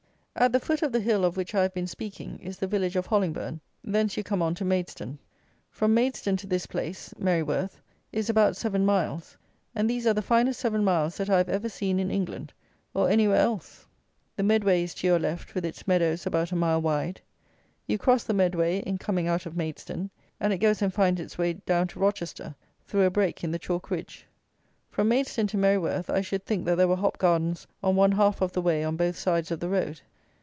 At the foot of the hill of which I have been speaking, is the village of Hollingbourne; thence you come on to Maidstone. From Maidstone to this place (Merryworth) is about seven miles, and these are the finest seven miles that I have ever seen in England or anywhere else. The Medway is to your left, with its meadows about a mile wide. You cross the Medway, in coming out of Maidstone, and it goes and finds its way down to Rochester, through a break in the chalk ridge. From Maidstone to Merryworth I should think that there were hop gardens on one half of the way on both sides of the road.